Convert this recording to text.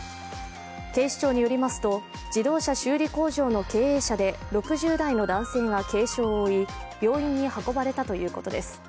警視庁によりますと、自動車修理工場の経営者で６０代の男性が軽傷を負い病院に運ばれたということです。